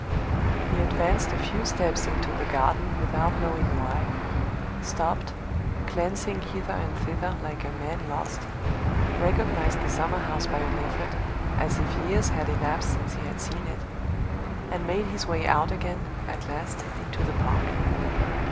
He advanced a few steps into the garden without knowing why stopped, glancing hither and thither like a man lost recognized the summer house by an effort, as if years had elapsed since he had seen it and made his way out again, at last, into the park.